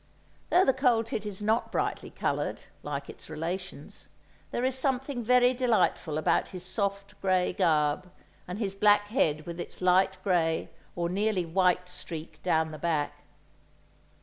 Though the coal tit is not brightly coloured, like its relations, there is something very delightful about his soft grey garb, and his black head with its light grey or nearly white streak down the back.